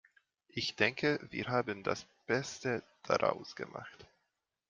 Ich denke, wir haben das Beste daraus gemacht.